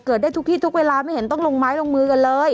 ได้ทุกที่ทุกเวลาไม่เห็นต้องลงไม้ลงมือกันเลย